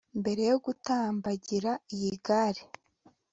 Mbere yo gutambagira iyi Gare